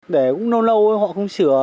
để cũng lâu lâu họ không sửa